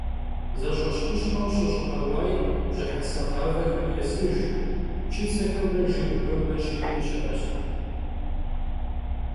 Zeş'eşkhışkheu şış'ı'e vuaêm bjıhese ğavexer yêsıjj, çıtsexemre jjıgxemre şihi şı'eş.